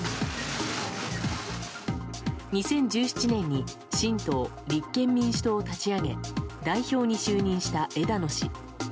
２０１７年に新党、立憲民主党を立ち上げ代表に就任した枝野氏。